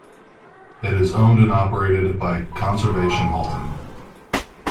It is owned and operated by Conservation Halton.